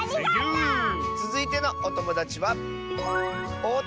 つづいてのおともだちは。